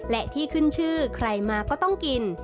และที่ขึ้นชื่อใครมาก็ต้องกิน